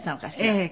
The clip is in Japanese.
ええ。